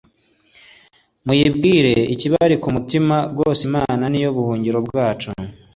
muyibwire ikibari ku mutima; rwose imana ni yo buhungiro bwacu